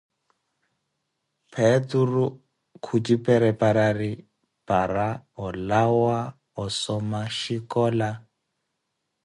Peturu khutxipereperari para oolawa ossomima oxhicola